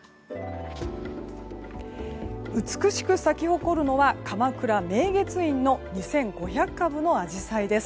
美しく咲き誇るのは鎌倉、明月院の２５００株のアジサイです。